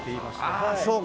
ああそうか。